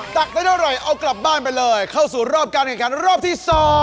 ตักได้เท่าไหร่เอากลับบ้านไปเลยเข้าสู่รอบการแข่งขันรอบที่๒